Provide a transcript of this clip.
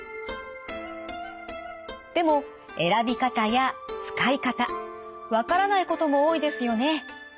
でも選び方や使い方分からないことも多いですよね。